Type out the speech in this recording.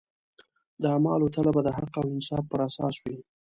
د اعمالو تله به د حق او انصاف پر اساس وي.